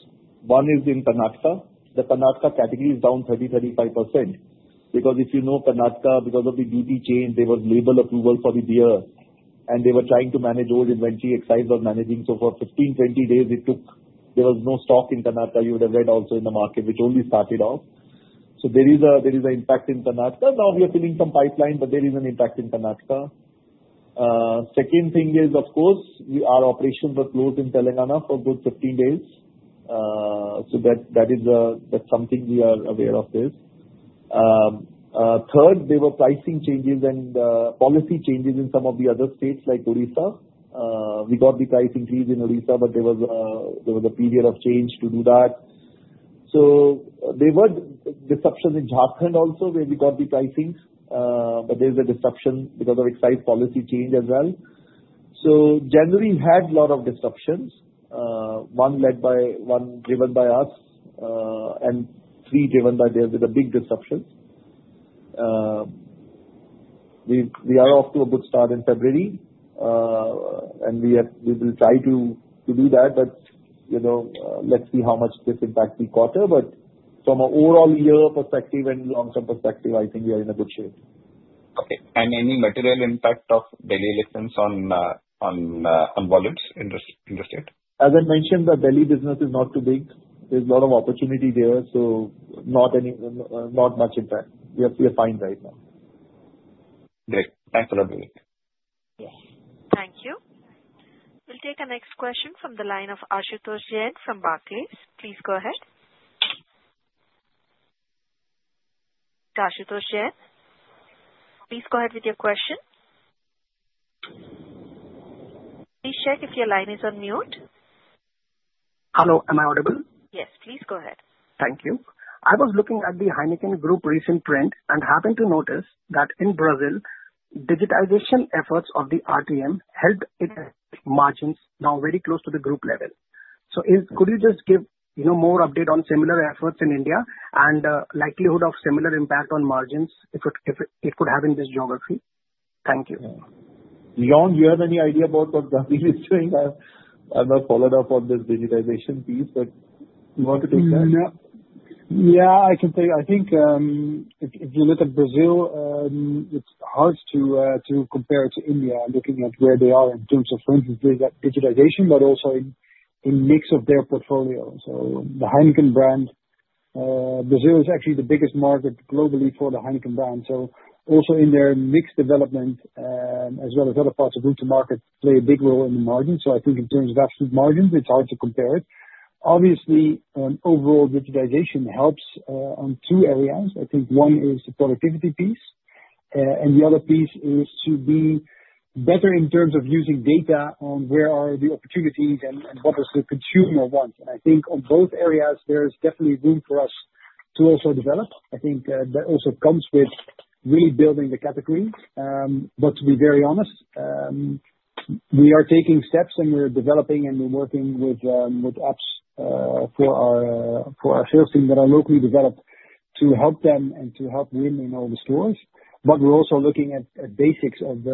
One is in Karnataka. The Karnataka category is down 30%-35% because if you know Karnataka, because of the duty change, there was label approval for the beer, and they were trying to manage old inventory, Excise was managing, So for 15-20 days, it took, there was no stock in Karnataka you would have read also in the market, which only started off. So there is an impact in Karnataka, Now we are filling some pipeline, but there is an impact in Karnataka. Second thing is, of course, our operations were closed in Telangana for a good 15 days. So that is something we are aware of. Third, there were pricing changes and policy changes in some of the other states like Odisha. We got the price increase in Odisha, but there was a period of change to do that, so there were disruptions in Jharkhand also where we got the pricing, but there's a disruption because of excise policy change as well, so January had a lot of disruptions, one driven by us, and three driven by them with the big disruptions. We are off to a good start in February, and we will try to do that, but you know, let's see how much this impacts the quarter, but from an overall year perspective and long-term perspective, I think we are in a good shape. Okay. And any material impact of Delhi elections on volumes in the state? As I mentioned, the Delhi business is not too big. There's a lot of opportunity there. So not any, not much impact. We are fine right now. Great. Thanks a lot, Vivek. Yes. Thank you. We'll take a next question from the line of Ashutosh Jain from Barclays. Please go ahead. Ashutosh Jain, please go ahead with your question. Please check if your line is on mute? Hello. Am I audible? Yes. Please go ahead. Thank you. I was looking at the Heineken Group recent trend and happened to notice that in Brazil, digitization efforts of the RTM helped its margins now very close to the group level. So is, could you just give, you know, more update on similar efforts in India and, likelihood of similar impact on margins if it, if it could happen in this geography? Thank you. Jorn, do you have any idea about what Javier is doing? I've not followed up on this digitization piece, but you want to take that? Yeah. Yeah. I can tell you, I think, if you look at Brazil, it's hard to compare to India looking at where they are in terms of, for instance, digitization, but also in mix of their portfolio. So the Heineken brand, Brazil is actually the biggest market globally for the Heineken brand. So also in their mixed development, as well as other parts of the market, play a big role in the margins. So I think in terms of absolute margins, it's hard to compare it. Obviously, overall digitization helps on two areas. I think one is the productivity piece, and the other piece is to be better in terms of using data on where are the opportunities and what does the consumer want. I think on both areas, there is definitely room for us to also develop. I think that also comes with really building the category. But to be very honest, we are taking steps and we're developing and we're working with apps for our sales team that are locally developed to help them and to help win in all the stores. But we're also looking at basics of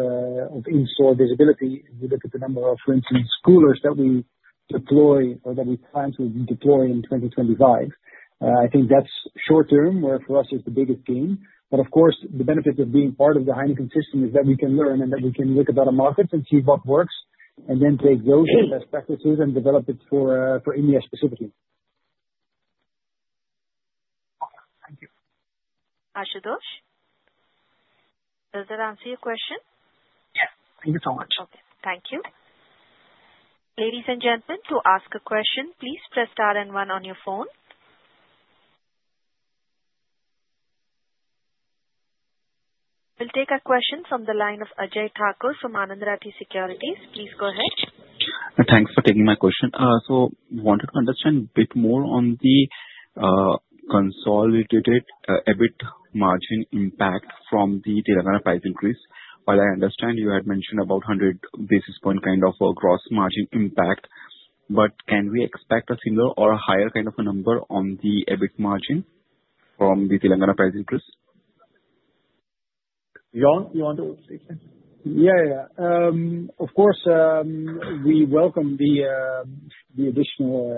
in-store visibility. We look at the number of, for instance, coolers that we deploy or that we plan to deploy in 2025. I think that's short-term where for us is the biggest gain. But of course, the benefit of being part of the Heineken system is that we can learn and that we can look at other markets and see what works and then take those best practices and develop it for India specifically. Okay. Thank you. Ashutosh, does that answer your question? Yes. Thank you so much. Okay. Thank you. Ladies and gentlemen, to ask a question, please press star and one on your phone. We'll take a question from the line of Ajay Thakur from Anand Rathi Securities. Please go ahead. Thanks for taking my question. So wanted to understand a bit more on the consolidated EBIT margin impact from the Telangana price increase. While I understand you had mentioned about 100 basis point kind of a gross margin impact, but can we expect a similar or a higher kind of a number on the EBIT margin from the Telangana price increase? Jorn, you want to take that? Yeah, yeah, yeah. Of course, we welcome the additional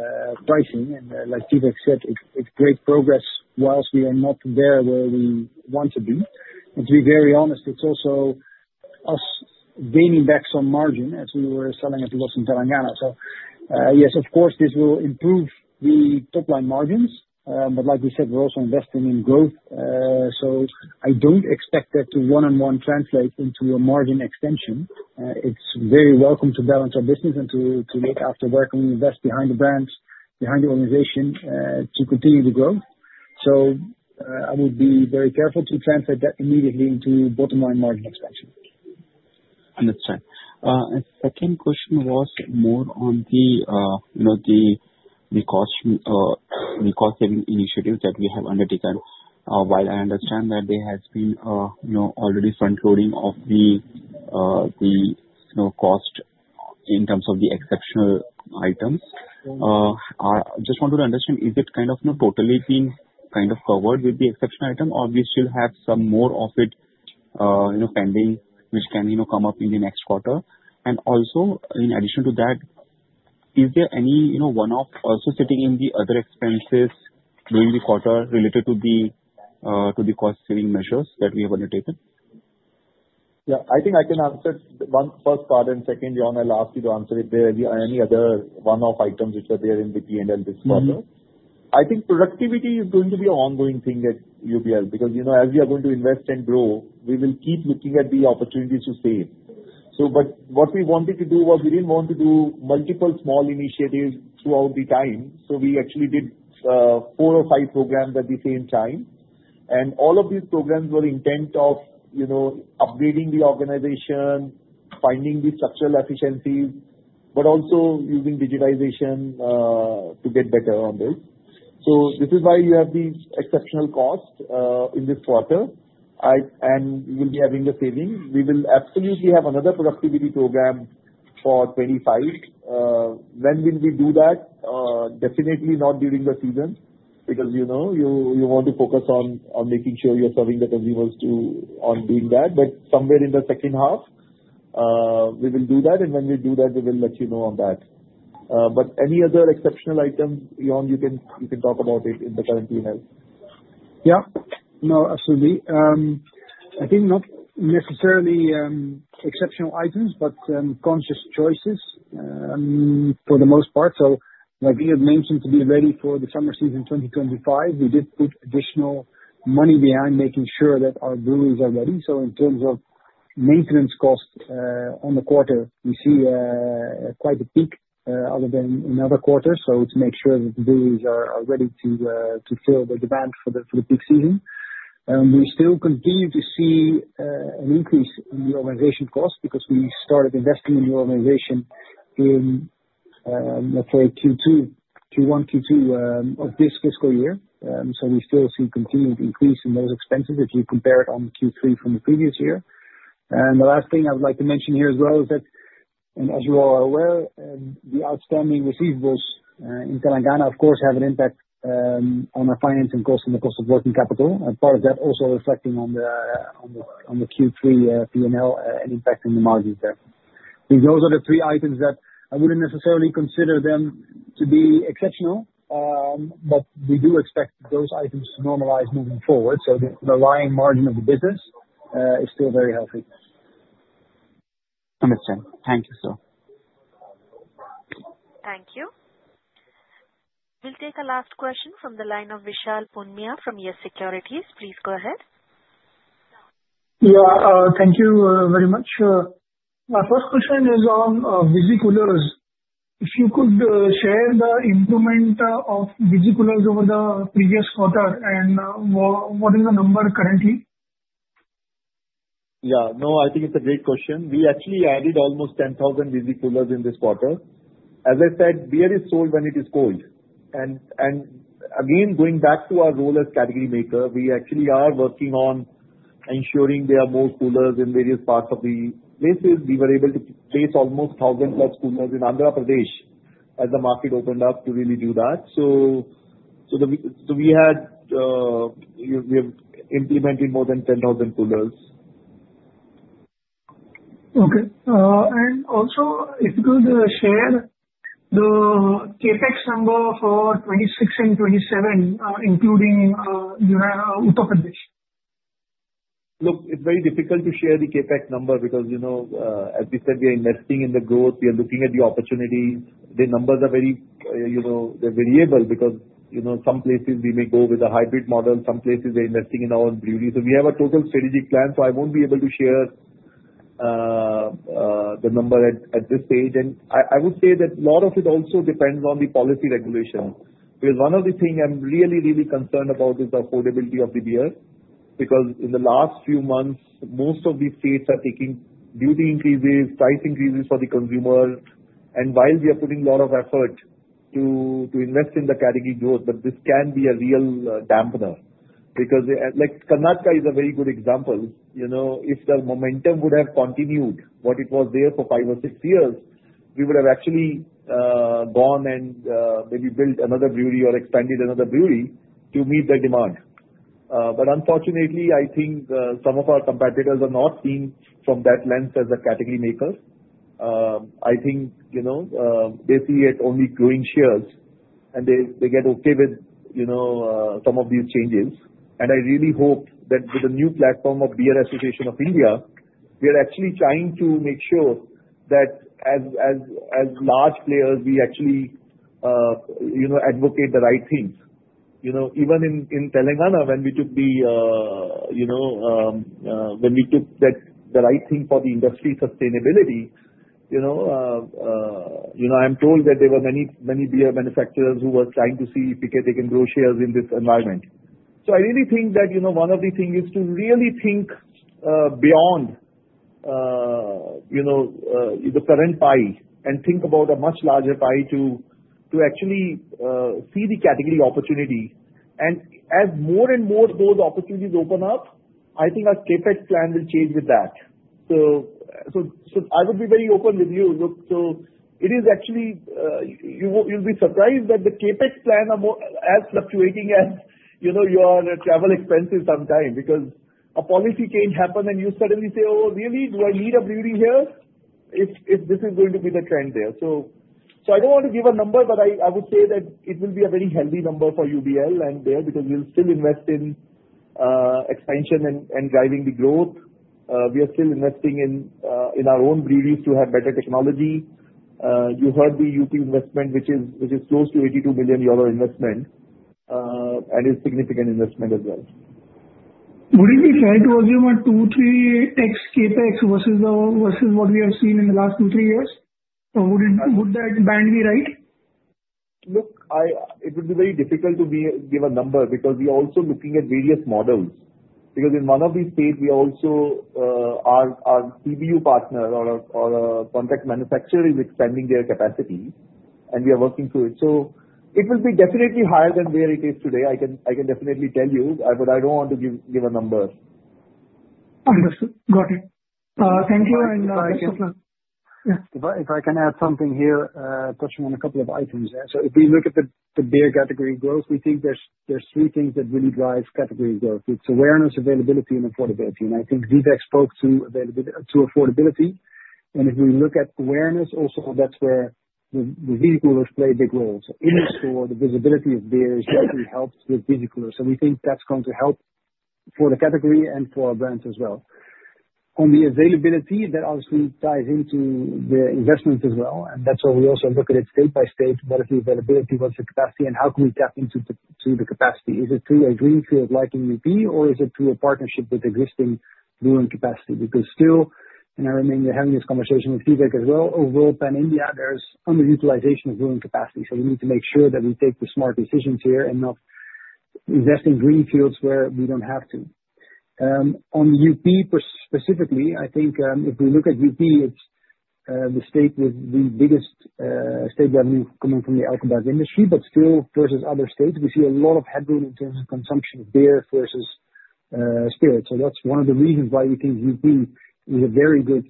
pricing. And like Vivek said, it's great progress while we are not there where we want to be. To be very honest, it's also us gaining back some margin as we were selling at loss in Telangana. Yes, of course, this will improve the top-line margin. But like we said, we're also investing in growth. I don't expect that to one-on-one translate into a margin expansion. It's very welcome to balance our business and to look after where can we invest behind the brands, behind the organization, to continue to grow. I would be very careful to translate that immediately into bottom-line underlying margin expansion. Understood. And second question was more on the, you know, cost-saving initiative that we have undertaken. While I understand that there has been, you know, already front-loading of the, you know, cost in terms of the exceptional items, I just wanted to understand, is it kind of, you know, totally been kind of covered with the exceptional item, or we still have some more of it, you know, pending, which can, you know, come up in the next quarter? And also, in addition to that, is there any, you know, one-off also sitting in the other expenses during the quarter related to the cost-saving measures that we have undertaken? Yeah. I think I can answer the first part and second, Jorn. I'll ask you to answer if there are any other one-off items which are there in the P&L this quarter. I think productivity is going to be an ongoing thing at UBL because, you know, as we are going to invest and grow, we will keep looking at the opportunities to save. So, but what we wanted to do was we didn't want to do multiple small initiatives throughout the time. So we actually did four or five programs at the same time. And all of these programs were intent of, you know, upgrading the organization, finding the structural efficiencies, but also using digitization to get better on this. So this is why you have these exceptional costs in this quarter. I and we will be having the saving. We will absolutely have another productivity program for 2025. When will we do that? Definitely not during the season because, you know, you want to focus on making sure you're serving the consumers too on doing that. But somewhere in the second half, we will do that. And when we do that, we will let you know on that. But any other exceptional item, Jorn, you can talk about it in the current P&L? Yeah. No, absolutely. I think not necessarily exceptional items, but conscious choices, for the most part. So, like Vivek mentioned, to be ready for the summer season 2025, we did put additional money behind making sure that our breweries are ready. So in terms of maintenance cost, on the quarter, we see quite a peak, other than in other quarters. So to make sure that the breweries are ready to fill the demand for the peak season. We still continue to see an increase in the organization cost because we started investing in the organization in, let's say Q2, Q1, Q2, of this fiscal year. So we still see continued increase in those expenses if you compare it on Q3 from the previous year. The last thing I would like to mention here as well is that, as you all are aware, the outstanding receivables in Telangana, of course, have an impact on our financing costs and the cost of working capital. Part of that also reflecting on the Q3 P&L and impacting the margins there. I think those are the three items that I wouldn't necessarily consider them to be exceptional, but we do expect those items to normalize moving forward. The underlying margin of the business is still very healthy. Understood. Thank you so. Thank you. We'll take a last question from the line of Vishal Punmiya from YES SECURITIES. Please go ahead. Yeah. Thank you very much. My first question is on. If you could share the increment of Visi-coolers over the previous quarter and what is the number currently? Yeah. No, I think it's a great question. We actually added almost 10,000 Visi-coolers in this quarter. As I said, beer is sold when it is cold. And again, going back to our role as category maker, we actually are working on ensuring there are more coolers in various parts of the places. We were able to place almost 1,000 plus coolers in Andhra Pradesh as the market opened up to really do that. So we have implemented more than 10,000 coolers. Okay, and also, if you could share the CapEx number for '26 and '27, including Uttar Pradesh? Look, it's very difficult to share the CapEx number because, you know, as we said, we are investing in the growth. We are looking at the opportunity. The numbers are very, you know, they're variable because, you know, some places we may go with a hybrid model. Some places they're investing in our own breweries. So we have a total strategic plan. So I won't be able to share the number at this stage. And I would say that a lot of it also depends on the policy regulation. Because one of the things I'm really, really concerned about is the affordability of the beer because in the last few months, most of these states are taking duty increases, price increases for the consumer. And while we are putting a lot of effort to invest in the category growth, but this can be a real dampener because, like, Karnataka is a very good example. You know, if the momentum would have continued what it was there for five or six years, we would have actually gone and maybe built another brewery or expanded another brewery to meet the demand. But unfortunately, I think some of our competitors are not seen from that lens as a category maker. I think, you know, they see it only growing shares and they get okay with, you know, some of these changes. And I really hope that with the new platform of Beer Association of India, we are actually trying to make sure that as large players, we actually, you know, advocate the right things. You know, even in Telangana, when we took the right thing for the industry sustainability, you know, I'm told that there were many beer manufacturers who were trying to see if they can grow shares in this environment. So I really think that, you know, one of the things is to really think beyond, you know, the current pie and think about a much larger pie to actually see the category opportunity. As more and more of those opportunities open up, I think our CapEx plan will change with that. So I would be very open with you. Look, it is actually, you'll be surprised that the CapEx plan are more as fluctuating as, you know, your travel expenses sometimes because a policy change happens and you suddenly say, "Oh, really? Do I need a brewery here if this is going to be the trend there?" So, I don't want to give a number, but I would say that it will be a very healthy number for UBL and there because we'll still invest in expansion and driving the growth. We are still investing in our own breweries to have better technology. You heard the UP investment, which is close to $82 million investment, and it's a significant investment as well. Would it be fair to assume a 2-3x CapEx versus the, versus what we have seen in the last two, three years? Or would it, would that band be right? Look, it would be very difficult to give a number because we are also looking at various models. Because in one of these states, we also, our CBU partner or contract manufacturer is expanding their capacity and we are working through it. So it will be definitely higher than where it is today. I can definitely tell you, but I don't want to give a number. Understood. Got it. Thank you and best of luck. If I can add something here, touching on a couple of items. So if we look at the beer category growth, we think there's three things that really drive category growth. It's awareness, availability, and affordability. And I think Vivek spoke to availability, to affordability. And if we look at awareness, also that's where the Visi-coolers play a big role. So in the store, the visibility of beer is definitely helped with Visi-coolers. So we think that's going to help for the category and for our brands as well. On the availability, that obviously ties into the investment as well. And that's why we also look at it state by state, what is the availability, what's the capacity, and how can we tap into the capacity? Is it through a greenfield like in UP or is it through a partnership with existing brewing capacity? Because still, and I remain having this conversation with Vivek as well, overall pan-India, there's underutilization of brewing capacity. So we need to make sure that we take the smart decisions here and not invest in greenfields where we don't have to. On the UP specifically, I think, if we look at UP, it's the state with the biggest state revenue coming from the alcohol beverage industry, but still versus other states, we see a lot of headroom in terms of consumption of beer versus spirits. So that's one of the reasons why we think UP is a very good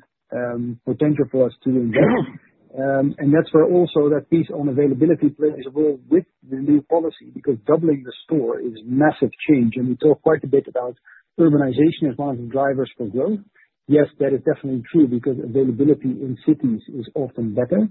potential for us to invest, and that's where also that piece on availability plays a role with the new policy because doubling the store is massive change, We talk quite a bit about urbanization as one of the drivers for growth. Yes, that is definitely true because availability in cities is often better,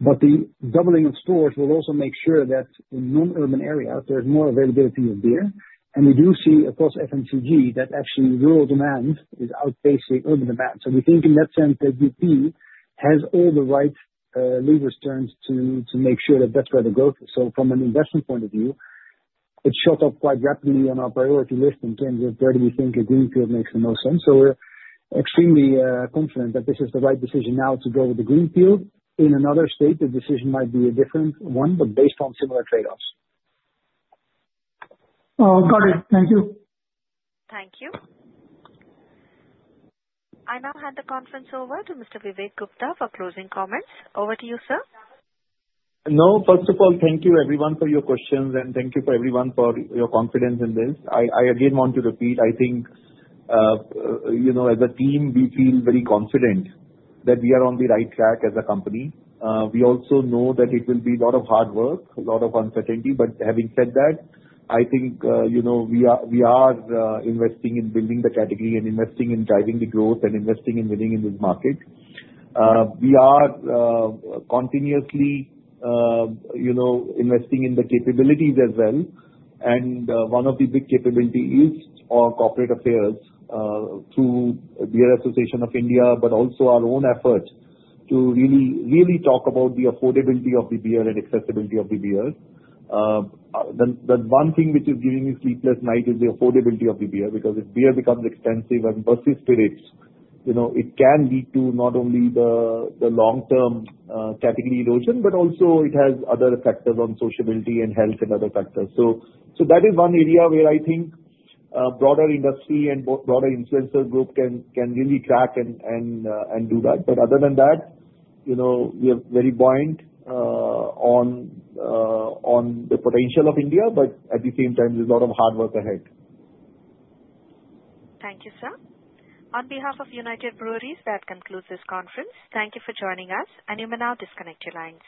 but the doubling of stores will also make sure that in non-urban areas, there's more availability of beer, and we do see across FMCG that actually rural demand is outpacing urban demand, so we think in that sense that UP has all the right levers turned to make sure that that's where the growth is, so from an investment point of view, it shot up quite rapidly on our priority list in terms of where do we think a greenfield makes the most sense, so we're extremely confident that this is the right decision now to go with the greenfield. In another state, the decision might be a different one, but based on similar trade-offs. Oh, got it. Thank you. Thank you. I now hand the conference over to Mr. Vivek Gupta for closing comments. Over to you, sir. No, first of all, thank you everyone for your questions and thank you for everyone for your confidence in this. I, I again want to repeat, I think, you know, as a team, we feel very confident that we are on the right track as a company. We also know that it will be a lot of hard work, a lot of uncertainty. But having said that, I think, you know, we are, we are, investing in building the category and investing in driving the growth and investing in winning in this market. We are, continuously, you know, investing in the capabilities as well. And, one of the big capabilities is our corporate affairs, through Beer Association of India, but also our own effort to really, really talk about the affordability of the beer and accessibility of the beer. The one thing which is giving me sleepless nights is the affordability of the beer because if beer becomes expensive and versus spirits, you know, it can lead to not only the long-term category erosion, but also it has other factors on sociability and health and other factors. So that is one area where I think broader industry and broader influencer group can really track and do that. But other than that, you know, we are very buoyant on the potential of India, but at the same time, there's a lot of hard work ahead. Thank you, sir. On behalf of United Breweries, that concludes this conference. Thank you for joining us. And you may now disconnect your lines.